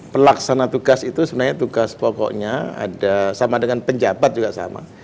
pelaksana tugas itu sebenarnya tugas pokoknya ada sama dengan penjabat juga sama